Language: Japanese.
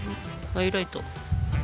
ハイライト？